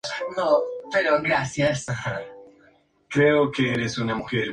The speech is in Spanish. Ambas están llenas de vesículas sinápticas.